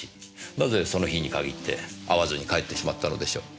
なぜその日に限って会わずに帰ってしまったのでしょう？